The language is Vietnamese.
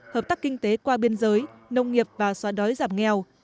hợp tác kinh tế qua biên giới nông nghiệp và xóa đói giảm nghèo